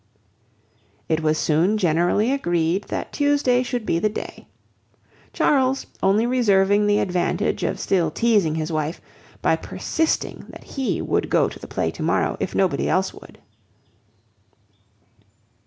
It was soon generally agreed that Tuesday should be the day; Charles only reserving the advantage of still teasing his wife, by persisting that he would go to the play to morrow if nobody else would.